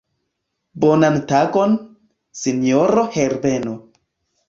Bonan tagon, sinjoro Herbeno.